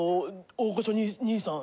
・大御所兄さん？